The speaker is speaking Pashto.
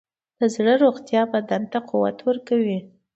د زړه روغتیا بدن ته قوت ورکوي.